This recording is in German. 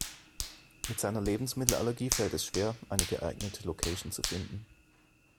Mit seiner Lebensmittelallergie fällt es schwer, eine geeignete Location zu finden.